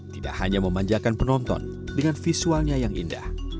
tidak hanya memanjakan penonton dengan visualnya yang indah